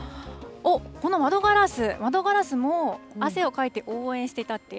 この窓ガラス、窓ガラス汗をかいて応援してたって？